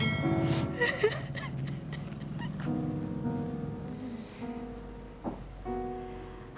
aku jadi kangen sama ayah